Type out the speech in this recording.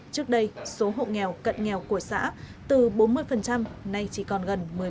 trước đây số hộ nghèo cận nghèo của xã từ bốn mươi nay chỉ còn gần một mươi